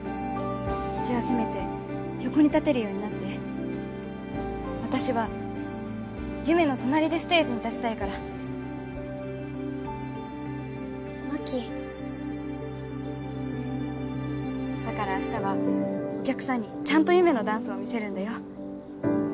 じゃあせめて横に立てるようになって私はゆめの隣でステージに立ちたいから眞妃だから明日はお客さんにちゃんとゆめのダンスを見せるんだよ